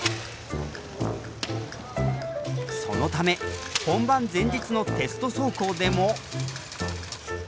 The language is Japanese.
そのため本番前日のテスト走行でも。